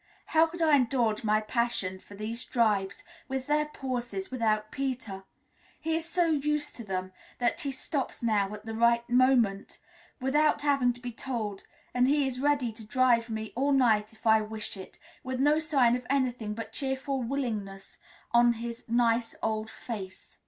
How could I indulge my passion for these drives with their pauses without Peter? He is so used to them that he stops now at the right moment without having to be told, and he is ready to drive me all night if I wish it, with no sign of anything but cheerful willingness on his nice old face.